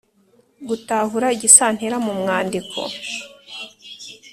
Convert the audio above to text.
Gutahura igisantera mu mwandiko